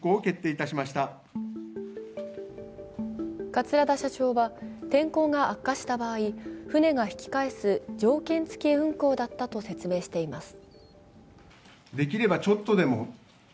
桂田社長は、天候が悪化した場合、船が引き返す条件付き運航だったと説明しています。